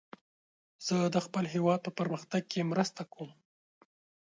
زه د خپل هیواد په پرمختګ کې مرسته کوم.